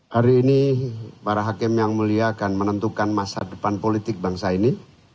hari ini para hakim yang mulia akan menentukan masa depan politik bangsa ini